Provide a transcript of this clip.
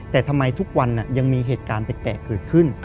แต่ทำไมทุกวันยังมีเหตุการณ์แปลกเกิดขึ้น